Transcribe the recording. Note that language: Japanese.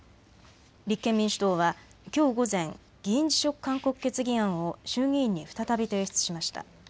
立憲民主党はきょう午前、議員辞職勧告決議案を衆議院に再び提出しました。